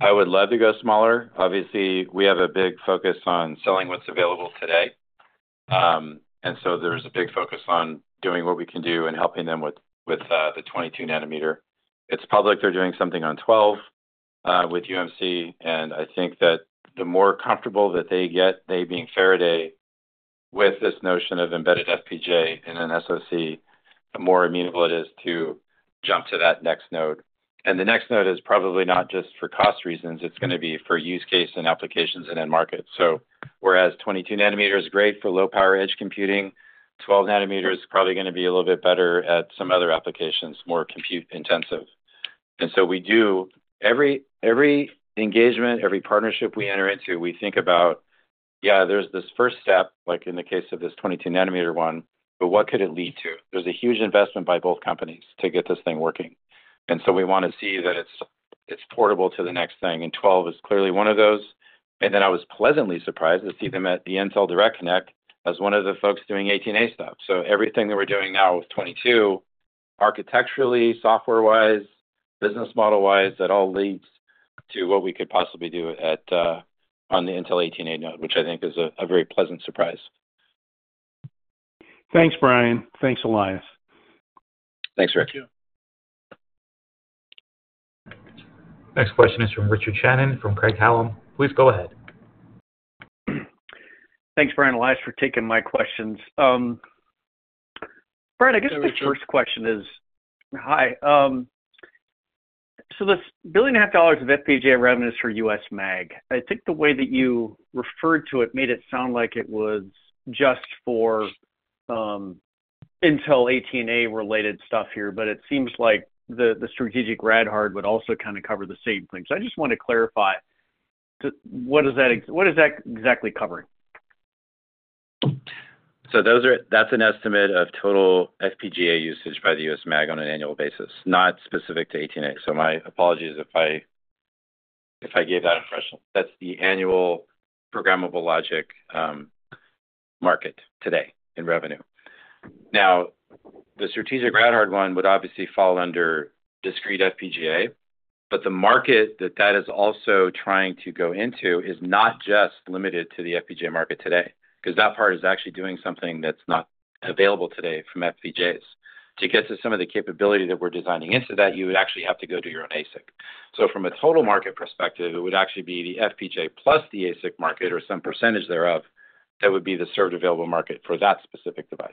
C: I would love to go smaller. Obviously, we have a big focus on selling what's available today. There is a big focus on doing what we can do and helping them with the 22-nanometer. It's public they're doing something on 12 with UMC. I think that the more comfortable that they get, they being Faraday, with this notion of embedded FPGA in an SoC, the more amenable it is to jump to that next node. The next node is probably not just for cost reasons. It's going to be for use case and applications and in market. Whereas 22-nanometer is great for low-power edge computing, 12-nanometer is probably going to be a little bit better at some other applications, more compute-intensive. We do every engagement, every partnership we enter into, we think about, yeah, there's this first step, like in the case of this 22-nanometer one, but what could it lead to? There's a huge investment by both companies to get this thing working. We want to see that it's portable to the next thing. Twelve is clearly one of those. I was pleasantly surprised to see them at the Intel Direct Connect as one of the folks doing 18A stuff. Everything that we're doing now with 22, architecturally, software-wise, business model-wise, that all leads to what we could possibly do on the Intel 18A node, which I think is a very pleasant surprise.
F: Thanks, Brian. Thanks, Elias.
C: Thanks, Rick.
A: Next question is from Richard Shannon from Craig-Hallum. Please go ahead.
G: Thanks, Brian and Elias, for taking my questions. Brian, I guess the first question is, hi. So this $1.5 billion of FPGA revenues for USMAG, I think the way that you referred to it made it sound like it was just for Intel 18A-related stuff here, but it seems like the strategic RadArm would also kind of cover the same thing. I just want to clarify. What is that exactly covering?
C: That is an estimate of total FPGA usage by the USMAG on an annual basis, not specific to 18A. My apologies if I gave that impression. That is the annual programmable logic market today in revenue. Now, the strategic RadArm one would obviously fall under discrete FPGA, but the market that that is also trying to go into is not just limited to the FPGA market today. Because that part is actually doing something that's not available today from FPGAs. To get to some of the capability that we're designing into that, you would actually have to go to your own ASIC. From a total market perspective, it would actually be the FPGA plus the ASIC market or some percentage thereof that would be the served available market for that specific device.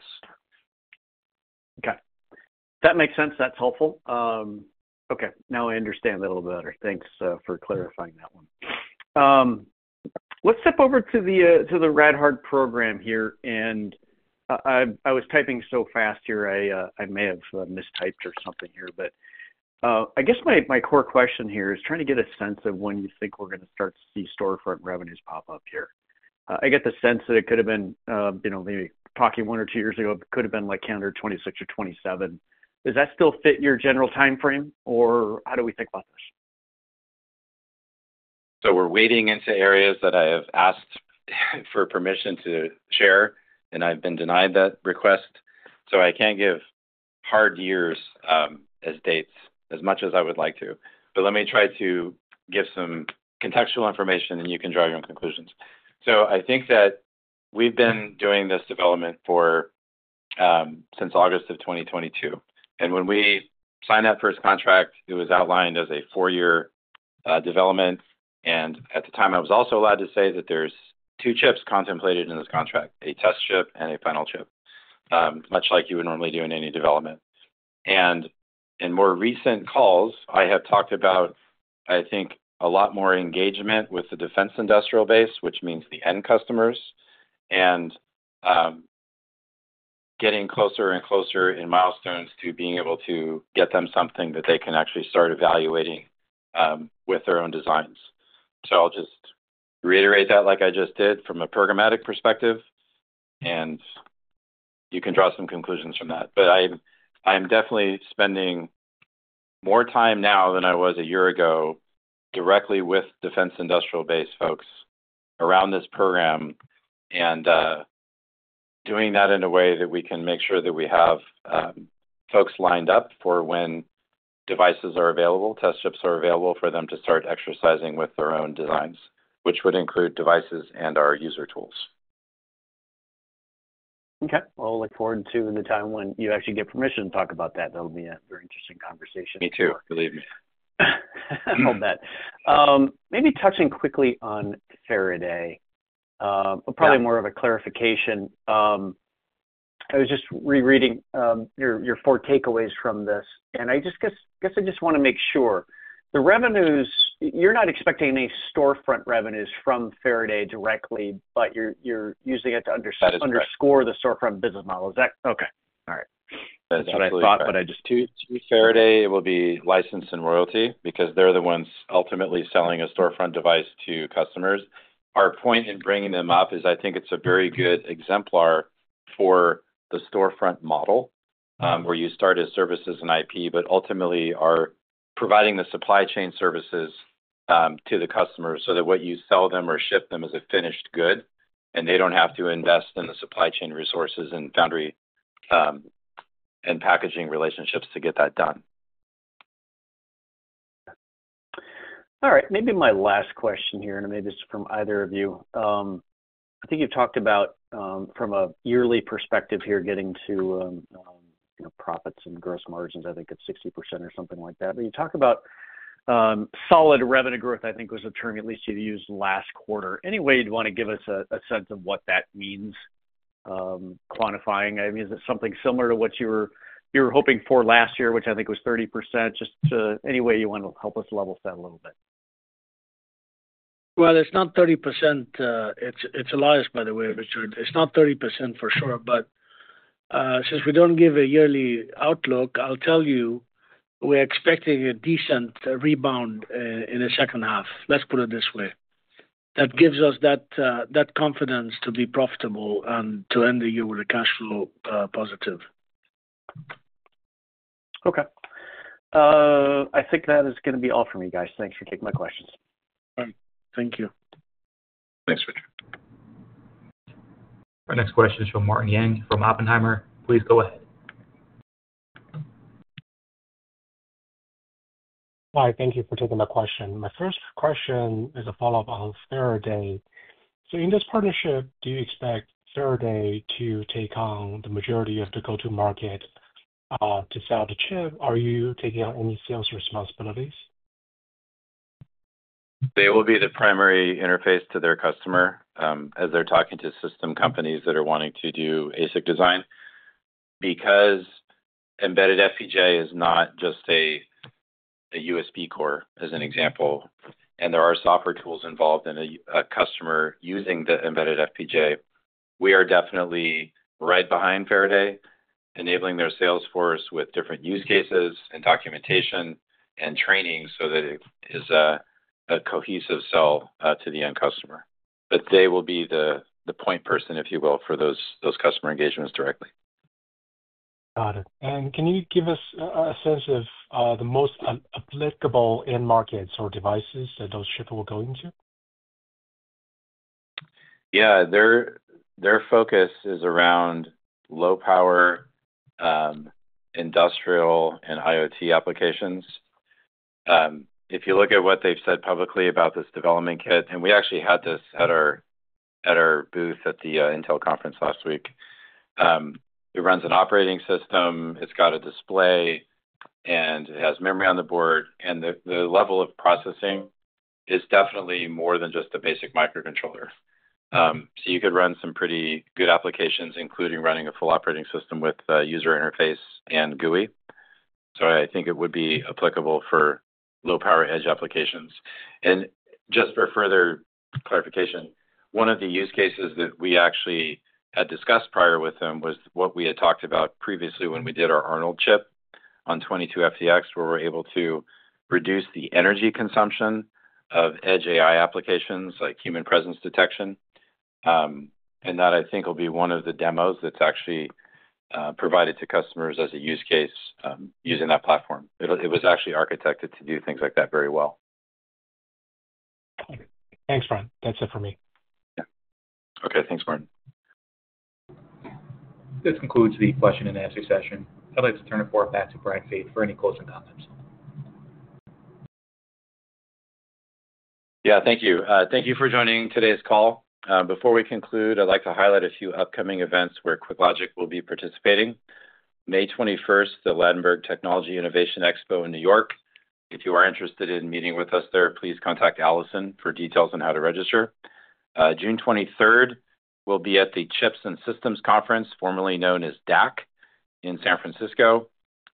G: Okay. That makes sense. That's helpful. Okay. Now I understand a little better. Thanks for clarifying that one. Let's step over to the RadArm program here. I was typing so fast here, I may have mistyped or something here. I guess my core question here is trying to get a sense of when you think we're going to start to see storefront revenues pop up here. I get the sense that it could have been maybe talking one or two years ago, it could have been like calendar 26 or 27. Does that still fit your general timeframe, or how do we think about this?
C: We're waiting into areas that I have asked for permission to share, and I've been denied that request. I can't give hard years as dates as much as I would like to. Let me try to give some contextual information, and you can draw your own conclusions. I think that we've been doing this development since August of 2022. When we signed that first contract, it was outlined as a four-year development. At the time, I was also allowed to say that there are two chips contemplated in this contract, a test chip and a final chip, much like you would normally do in any development. In more recent calls, I have talked about, I think, a lot more engagement with the defense industrial base, which means the end customers, and getting closer and closer in milestones to being able to get them something that they can actually start evaluating with their own designs. I'll just reiterate that like I just did from a programmatic perspective, and you can draw some conclusions from that. I am definitely spending more time now than I was a year ago directly with defense industrial base folks around this program and doing that in a way that we can make sure that we have folks lined up for when devices are available, test chips are available for them to start exercising with their own designs, which would include devices and our user tools.
G: Okay. I look forward to the time when you actually get permission to talk about that. That will be a very interesting conversation.
C: Me too. Believe me.
G: I'll bet. Maybe touching quickly on Faraday, or probably more of a clarification. I was just rereading your four takeaways from this. I guess I just want to make sure. The revenues, you're not expecting any storefront revenues from Faraday directly, but you're using it to underscore the storefront business model. Is that okay? All right.
C: That's what I thought, but I just used Faraday. It will be license and royalty because they're the ones ultimately selling a storefront device to customers. Our point in bringing them up is I think it's a very good exemplar for the storefront model where you start as services and IP, but ultimately are providing the supply chain services to the customers so that what you sell them or ship them is a finished good, and they don't have to invest in the supply chain resources and foundry and packaging relationships to get that done.
G: All right. Maybe my last question here, and maybe it's from either of you. I think you've talked about from a yearly perspective here, getting to profits and gross margins, I think it's 60% or something like that. When you talk about solid revenue growth, I think was a term you at least you used last quarter. Any way you'd want to give us a sense of what that means quantifying? I mean, is it something similar to what you were hoping for last year, which I think was 30%? Just any way you want to help us level set a little bit.
D: It is not 30%. It is Elias, by the way, Richard. It is not 30% for sure. Since we do not give a yearly outlook, I will tell you we are expecting a decent rebound in the second half. Let us put it this way. That gives us that confidence to be profitable and to end the year with a cash flow positive.
G: Okay. I think that is going to be all from you guys. Thanks for taking my questions.
D: All right. Thank you.
C: Thanks, Richard.
A: Our next question is from Martin Yang from Oppenheimer. Please go ahead.
H: Hi. Thank you for taking my question. My first question is a follow-up on Faraday. In this partnership, do you expect Faraday to take on the majority of the go-to-market to sell the chip? Are you taking on any sales responsibilities?
C: They will be the primary interface to their customer as they're talking to system companies that are wanting to do ASIC design. Because embedded FPGA is not just a USB core, as an example, and there are software tools involved in a customer using the embedded FPGA, we are definitely right behind Faraday, enabling their salesforce with different use cases and documentation and training so that it is a cohesive sell to the end customer. They will be the point person, if you will, for those customer engagements directly.
H: Got it. Can you give us a sense of the most applicable end markets or devices that those chips will go into?
C: Yeah. Their focus is around low-power industrial and IoT applications. If you look at what they've said publicly about this development kit, and we actually had this at our booth at the Intel conference last week. It runs an operating system. It's got a display, and it has memory on the board. The level of processing is definitely more than just a basic microcontroller. You could run some pretty good applications, including running a full operating system with user interface and GUI. I think it would be applicable for low-power edge applications. Just for further clarification, one of the use cases that we actually had discussed prior with them was what we had talked about previously when we did our Arnold chip on 22FDX, where we're able to reduce the energy consumption of edge AI applications like human presence detection. That, I think, will be one of the demos that's actually provided to customers as a use case using that platform. It was actually architected to do things like that very well.
H: Thanks, Brian. That's it for me.
C: Okay. Thanks, Martin.
A: This concludes the question and answer session. I'd like to turn it forward back to Brian Faith for any closing comments.
C: Yeah. Thank you. Thank you for joining today's call. Before we conclude, I'd like to highlight a few upcoming events where QuickLogic will be participating. May 21, the Latinberg Technology Innovation Expo in New York. If you are interested in meeting with us there, please contact Alison for details on how to register. June 23rd, we will be at the Chips and Systems Conference, formerly known as DAC, in San Francisco.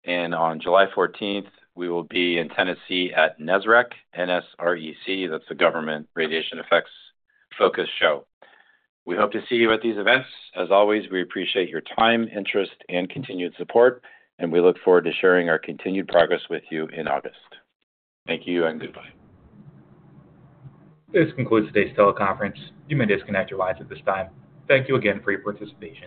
C: On July 14th, we will be in Tennessee at NSREC. N-S-R-E-C. That is the government radiation effects focus show. We hope to see you at these events. As always, we appreciate your time, interest, and continued support, and we look forward to sharing our continued progress with you in August. Thank you and goodbye.
A: This concludes today's teleconference. You may disconnect your lines at this time. Thank you again for your participation.